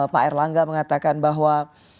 pak erlangga mengatakan bahwa